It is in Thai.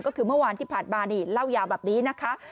ก็คือเมื่อวานที่ผ่านมานี่เล่ายาวแบบนี้นะคะ